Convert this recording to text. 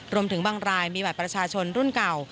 รวมถึงบางรายมีบัตรประชาชนรุ่นเก่า